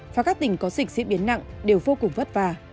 và các tỉnh có dịch diễn biến nặng đều vô cùng vất vả